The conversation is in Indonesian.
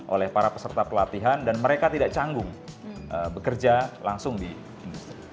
oleh para peserta pelatihan dan mereka tidak canggung bekerja langsung di industri